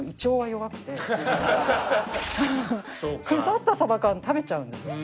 腐ったサバ缶を食べちゃうんですよ。